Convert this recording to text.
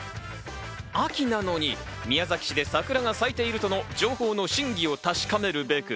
秋なのに宮崎市で桜が咲いているとの情報の真偽を確かめるべく、